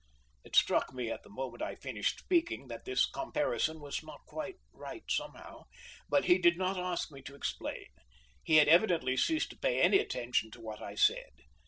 It struck me the moment I finished speaking that this comparison was not quite right somehow; but he did not ask me to explain: he had evidently ceased to pay any attention to what I said.